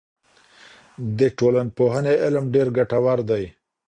د ټولنپوهنې علم ډېر ګټور دی.